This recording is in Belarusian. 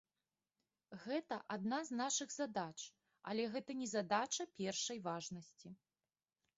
Гэта адна з нашых задач, але гэта не задача першай важнасці.